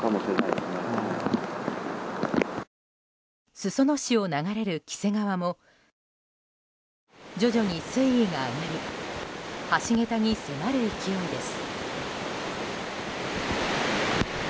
裾野市を流れる黄瀬川も徐々に水位が上がり橋桁に迫る勢いです。